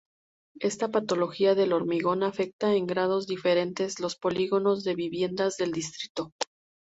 Esta patología del hormigón afecta en grados diferentes los polígonos de viviendas del distrito.